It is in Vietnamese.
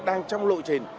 đang trong lộ trình